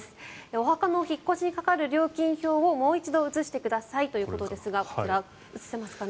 お墓の引っ越しにかかる料金表をもう一度映してくださいということですがこちら、映せますかね。